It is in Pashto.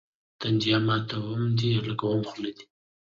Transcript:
تنديه ماتوم دي، لګومه خو دې نه.